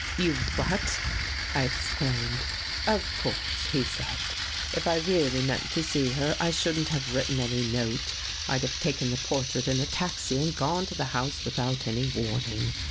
"You what! " I exclaimed. " Of course," he said, " if I really meant to see her, I shouldn't have written any note. I'd have taken the portrait in a taxi and gone to the house without any warning.